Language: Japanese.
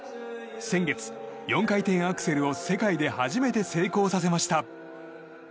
先月、４回転アクセルを世界で初めて成功させました。